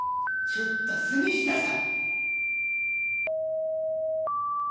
ちょっと杉下さん！